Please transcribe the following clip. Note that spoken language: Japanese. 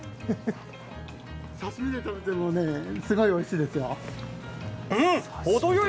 刺身で食べてもすごいおいしいですよ。